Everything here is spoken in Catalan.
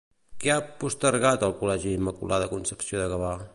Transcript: Què ha postergat el Col·legi Immaculada Concepció de Gavà?